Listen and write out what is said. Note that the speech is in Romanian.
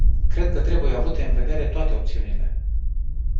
Cred că trebuie avute în vedere toate opțiunile.